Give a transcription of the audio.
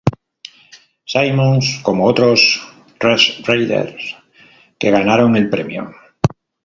Symons como otros Red Raiders que ganaron el premio.